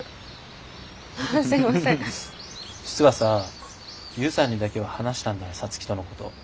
実はさ悠さんにだけは話したんだ皐月とのこと。